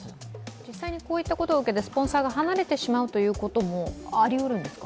実際にこういったことを受けてスポンサーが離れてしまうこともありうるんですか？